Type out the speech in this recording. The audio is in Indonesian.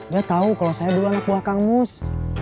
dia tahu kalau saya dulu anak buah kang mus